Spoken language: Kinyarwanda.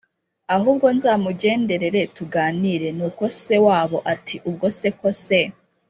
ahubwo nzamugenderere tuganire.” Nuko se wabo ati: “Ubwo se ko se